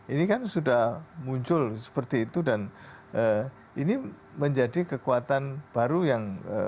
ini kan sudah muncul seperti itu dan ini menjadi kekuatan baru yang